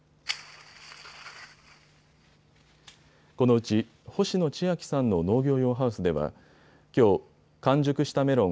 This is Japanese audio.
このうち星野千秋さんの農業用ハウスではきょう完熟したメロン